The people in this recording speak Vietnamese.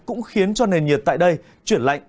cũng khiến cho nền nhiệt tại đây chuyển lạnh